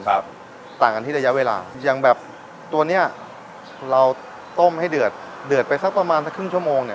ต่างกันที่ระยะเวลาอย่างแบบตัวเนี้ยเราต้มให้เดือดเดือดไปสักประมาณสักครึ่งชั่วโมงเนี้ย